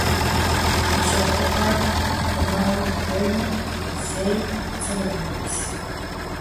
Ныбжьэгъугъэр пхъумэну ухуеймэ, зэи пцӏы умыупс.